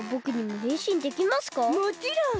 もちろん！